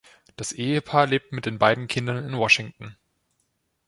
Das Ehepaar lebt mit den beiden Kindern in Washington.